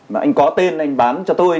mà anh có tên anh bán cho tôi